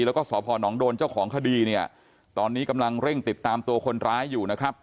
แล้วก็สพนโดนเจ้าของคดีเนี่ยตอนนี้กำลังเร่งติดตามตัวคนร้ายอยู่นะครับ